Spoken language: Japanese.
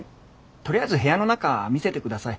とりあえず部屋の中見せてください。